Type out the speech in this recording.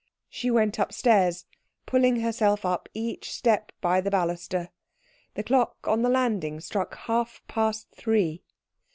She went upstairs, pulling herself up each step by the baluster. The clock on the landing struck half past three.